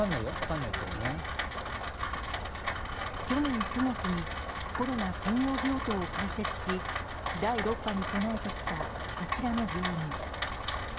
去年９月にコロナ専用病棟を開設し第６波に備えてきたこちらの病院。